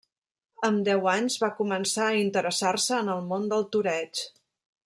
Amb deu anys va començar a interessar-se en el món del toreig.